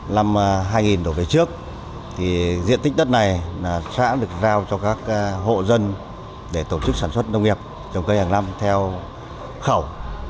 đã giao cho các hộ dân trong khu vực để tổ chức sản xuất nông nghiệp trồng cây hàng năm theo khẩu